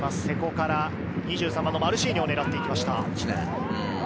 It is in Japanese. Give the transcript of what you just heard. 瀬古からマルシーニョを狙っていきました。